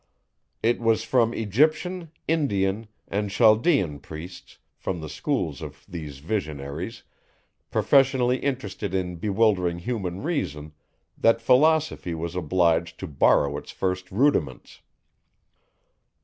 It was from Egyptian, Indian, and Chaldean priests, from the schools of these visionaries, professionally interested in bewildering human reason, that philosophy was obliged to borrow its first rudiments.